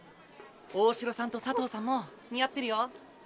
大城さんと佐藤さんも似合ってるよ。